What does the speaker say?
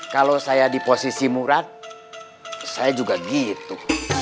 kalau saya di posisi murah saya juga gitu